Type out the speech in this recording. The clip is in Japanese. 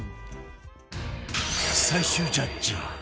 最終ジャッジ